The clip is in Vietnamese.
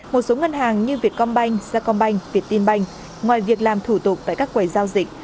một số ngân hàng như việtcombank giacombank viettinbank ngoài việc làm thủ tục tại các quầy giao dịch